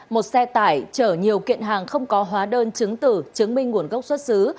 một xe tải chở nhiều kiện hàng không có hóa đơn chứng tử chứng minh nguồn gốc xuất xứ